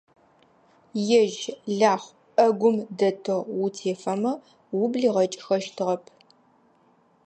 Ежь Лахъу Ӏэгум дэтэу утефэмэ, ублигъэкӀыхэщтыгъэп.